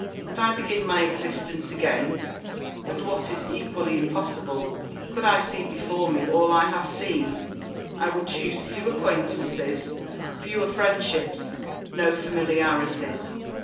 Could I begin my existence again, and, what is equally impossible, could I see before me all I have seen, I would choose few acquaintances, fewer friendships, no familiarities.